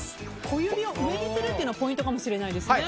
小指を上にするのポイントかもしれないですね。